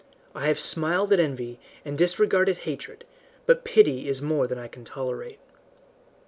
I have smiled at envy, and disregarded hatred, but pity is more than I can tolerate.